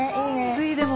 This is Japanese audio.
ついでも。